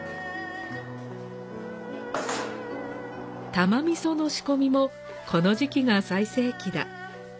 玉みその仕込みもこの時期が最盛期だ。